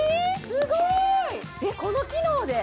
すごいえっこの機能で？